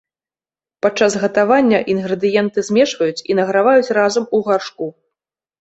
Падчас гатавання інгрэдыенты змешваюць і награваюць разам у гаршку.